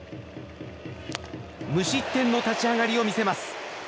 無失点の立ち上がりを見せます。